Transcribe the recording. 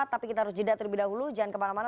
tapi kita harus jeda terlebih dahulu jangan kemana mana